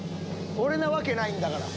俺なわけないんだから。